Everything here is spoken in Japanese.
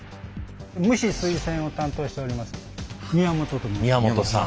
蒸し・水洗を担当しております宮本と申します。